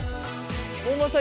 門馬さん